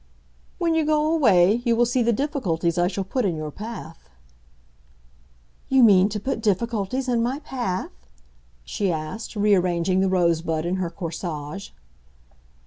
"When you go away you will see the difficulties I shall put in your path." "You mean to put difficulties in my path?" she asked, rearranging the rosebud in her corsage.